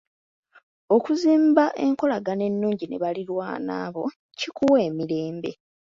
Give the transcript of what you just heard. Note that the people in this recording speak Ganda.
Okuzimba enkolagana ennungi ne baliraanwa bo kikuwa emirembe.